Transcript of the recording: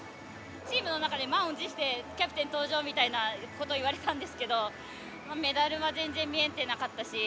チームの中で満を持してキャプテン登場みたいなことを言われたんですけどメダルは全然、見えてなかったし。